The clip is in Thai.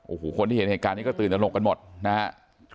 โอ้โหคนที่เห็นเหตุการณ์นี้ก็ตื่นตนกกันหมดนะฮะ